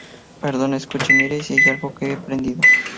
perdone, escuche, mire, si hay algo que he aprendido